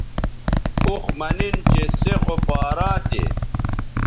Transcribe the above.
اوخ مہ نِن چہ سے خو پاراں تھے